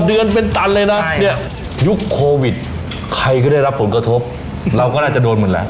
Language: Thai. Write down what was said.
เดือนเป็นตันเลยนะเนี่ยยุคโควิดใครก็ได้รับผลกระทบเราก็น่าจะโดนหมดแล้ว